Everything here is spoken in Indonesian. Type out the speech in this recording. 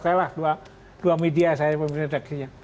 saya lah dua media saya pemimpin redaksinya